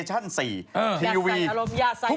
ยาดใส่อารมณ์ยาดใส่อารมณ์